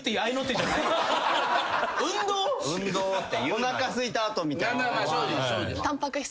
おなかすいた後みたいな。